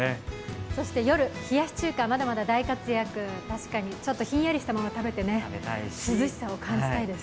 夜、冷やし中華、まだまだ大活躍、確かにひんやりしたものを食べて涼しさを感じたいです。